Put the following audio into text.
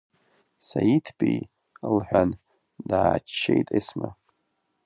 Саиҭбеи, — лҳәан, дааччеит Есма.